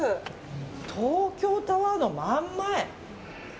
東京タワーの真ん前。